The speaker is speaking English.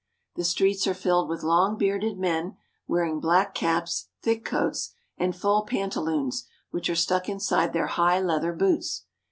The streets are filled with long bearded men, wearing black caps, thick coats, and full pantaloons which are stuck inside their high leather boots.